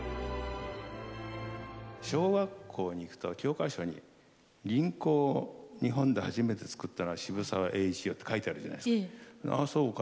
小学校に行くと教科書に「銀行を日本で初めてつくったのは渋沢栄一」って書いてあるじゃないですか。